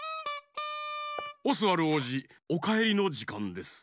オスワルおうじおかえりのじかんです。